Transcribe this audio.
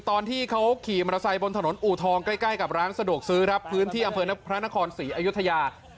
ตอนที่เขาขี่มอเตอร์ไซค์บนถนนอูทองใกล้กับร้านสะดวกซื้อครับพื้นที่อำเภอพระนครศรีอยุธยา